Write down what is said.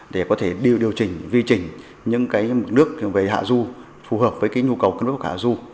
để có thể điều chỉnh vi chỉnh những nước về hạ du phù hợp với nhu cầu của nước hạ du